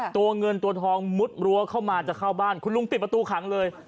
ตัวเงินตัวทองมุดรั้วเข้ามาจะเข้าบ้านคุณลุงปิดประตูขังเลย